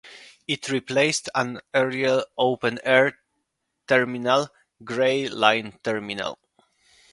It replaced an earlier open air terminal, Gray Line Terminal.